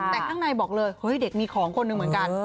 แต่ข้างในบอกเลยเฮ้ยเด็กมีของคนหนึ่งเหมือนกัน